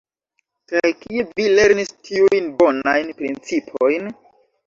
Kaj kie vi lernis tiujn bonajn principojn?